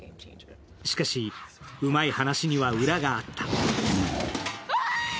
しかし、うまい話には裏があった。